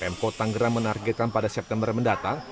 pemko tanggerang menargetkan pada september mendatang